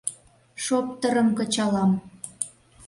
— Шоптырым кычалам...